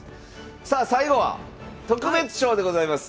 さあ最後は特別賞でございます。